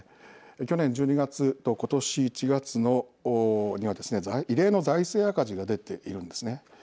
去年１２月と今年１月にはですね異例の財政赤字が出ているんですね。